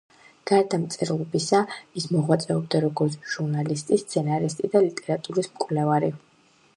გარდა მწერლობისა, ის მოღვაწეობდა როგორც ჟურნალისტი, სცენარისტი და ლიტერატურის მკვლევარი.